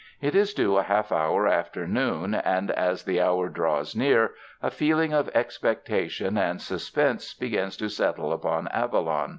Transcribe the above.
It is due a half hour after noon, and as the hour draws near, a feeling of expectation and suspense begins to settle upon Ava lon.